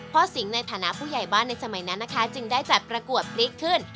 สิงห์ในฐานะผู้ใหญ่บ้านในสมัยนั้นนะคะจึงได้จัดประกวดพริกขึ้น